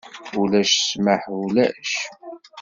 Ulac ssmeḥ ulac.